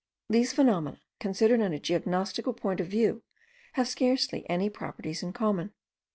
These phenomena, considered in a geognostical point of view, have scarcely any properties in common.